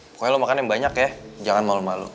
pokoknya lo makan yang banyak ya jangan malu malu